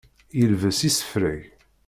Yelbes isefreg.